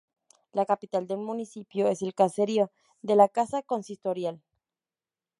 La capital del municipio es el caserío de la Casa Consistorial.